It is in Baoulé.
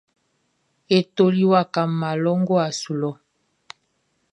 E toli waka mma lɔ guaʼn su lɔ.